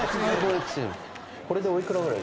これでお幾らぐらい？